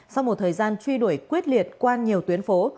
sau một thời gian truy đuổi quyết liệt qua nhiều tuyến phố